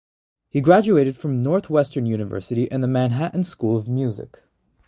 He graduated from Northwestern University and the Manhattan School of Music.